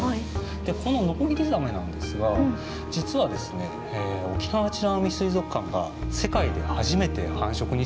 このノコギリザメなんですが実はですね沖縄美ら海水族館が世界で初めて繁殖に成功した種類なんですよ。